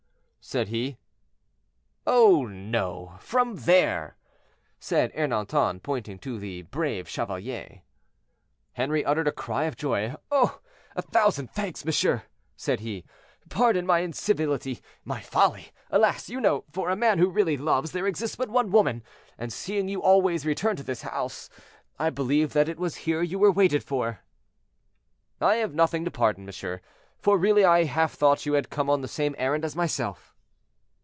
said he. "Oh! no; from there," said Ernanton, pointing to the "Brave Chevalier." Henri uttered a cry of joy. "Oh! a thousand thanks, monsieur," said he; "pardon my incivility—my folly. Alas! you know, for a man who really loves, there exists but one woman, and, seeing you always return to this house, I believed that it was here you were waited for." "I have nothing to pardon, monsieur; for really I half thought you had come on the same errand as myself."